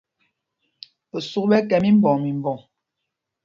Osûk ɓɛ kɛ́ mímbɔŋ mimbɔŋ.